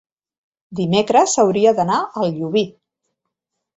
Dimecres hauria d'anar a Llubí.